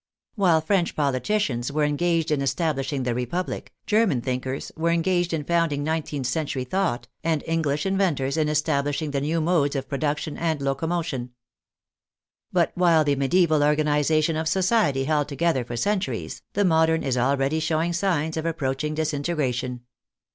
While French politicians were engaged in establishing the Republic, German thinkers were engaged in founding 19th century thought, and English inventors in establishing the new modes of production and locomotion. But while the medieval organization of society held together for cen turies, the modern is already showing signs of approach ing disintegration.